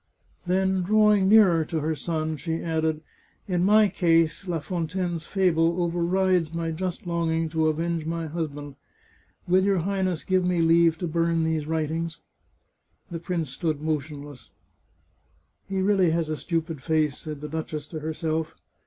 Then, drawing nearer to her son, she added :" In my case. La Fontaine's fable over 457 The Chartreuse of Parma rides my just longing to avenge my husband. Will your Highness give me leave to burn these writings ?'* The prince stood motionless. " He really has a stupid face," said the duchess to herself.